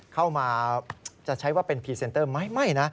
เข้ามาจะใช้ว่าเป็นพรีเซนเตอร์ไหมไม่นะ